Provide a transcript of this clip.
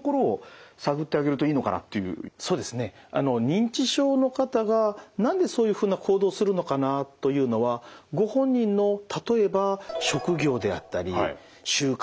認知症の方が何でそういうふうな行動をするのかなというのはご本人の例えば職業であったり習慣ですね。